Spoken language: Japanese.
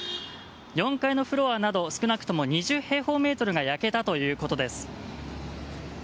４階のフロアなど少なくとも２０平方メートルが焼けたということです。